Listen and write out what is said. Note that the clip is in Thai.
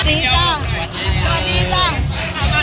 จากไหนอ่ะ